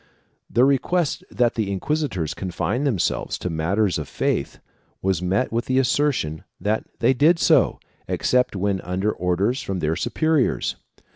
The request that the inquisitors confine themselves to matters of faith was met with the assertion that they did so, except when under orders from their supe riors.